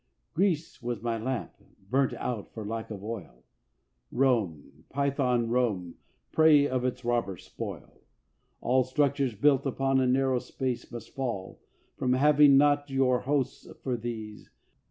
Greece was my lamp: burnt out for lack of oil; Rome, Python Rome, prey of its robber spoil! All structures built upon a narrow space Must fall, from having not your hosts for base.